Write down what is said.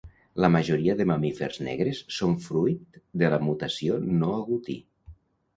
La majoria de mamífers negres són fruit de la mutació no agutí.